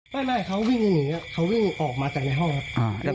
ไม่เขาวิ่งอย่างนี้เขาวิ่งออกมาจากในห้องครับอ่าแล้วก็